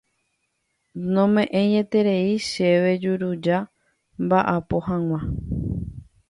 Nome'ẽieterei chéve juruja amba'apo hag̃ua.